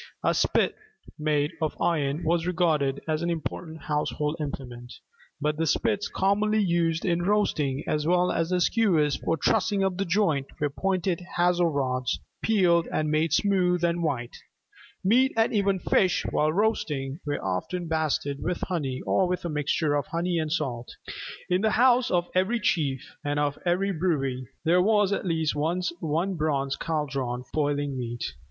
A spit (bir), made of iron, was regarded as an important household implement. But the spits commonly used in roasting, as well as the skewers for trussing up the joint, were pointed hazel rods, peeled and made smooth and white. Meat, and even fish, while roasting, were often basted with honey or with a mixture of honey and salt. In the house of every chief and of every brewy (see p. 119 below) there was at least one bronze Caldron for boiling meat.